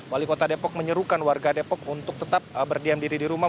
wali kota depok menyerukan warga depok untuk tetap berdiam diri di rumah